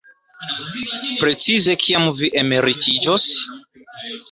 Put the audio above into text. Precize kiam vi emeritiĝos?